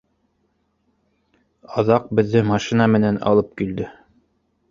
Аҙаҡ беҙҙе машина менән алып килде.